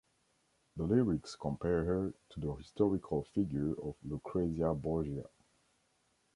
The lyrics compare her to the historical figure of Lucrezia Borgia.